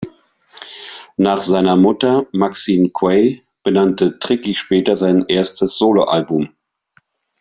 Nach seiner Mutter "Maxine Quaye" benannte Tricky später sein erstes Soloalbum.